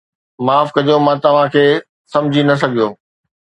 معاف ڪجو، مان توهان کي سمجهي نه سگهيو